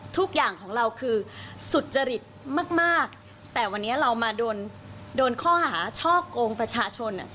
ทุกอย่างของเราคือสุจริตมากแต่วันนี้เรามาโดนโดนข้อหาช่อกงประชาชน